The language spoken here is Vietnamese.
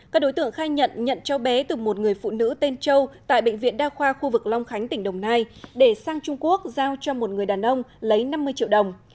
các đối tượng khai nhận nhận cháu bé từ một người phụ nữ tên châu tại bệnh viện đa khoa khu vực long khánh tỉnh đồng nai để sang trung quốc giao cho một người đàn ông lấy năm mươi triệu đồng